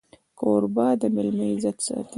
کوربه د مېلمه عزت ساتي.